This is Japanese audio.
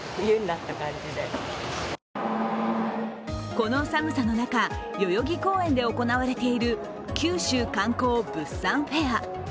この寒さの中、代々木公園で行われている九州観光・物産フェア。